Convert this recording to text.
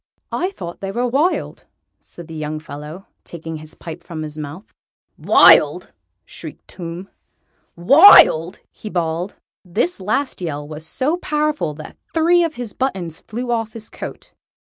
"I thought they were wild," said the young fellow, taking his pipe from his mouth. "Wild!" shrieked Tomb. "Wild!!" he bawled. This last yell was so powerful that three of his buttons flew off his coat.